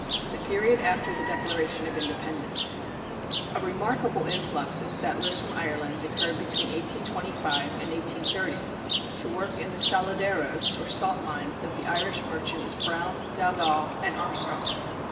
THE PERIOD AFTER THE DECLARATION OF INDEPENDENCE. A remarkable influx of settlers from Ireland occurred between 1825 and 1830, to work in the saladeros, or salt mines, of the Irish merchants, Brown, Dowdall, and Armstrong.